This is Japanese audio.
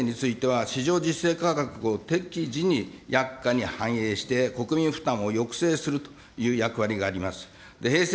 なお中間年改定については、市場実勢価格を適時に薬価に反映して、国民負担を抑制するという役割があります。